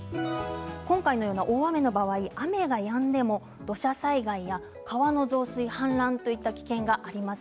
今回のような大雨の場合雨がやんでも土砂災害や川の増水、氾濫という危険があります。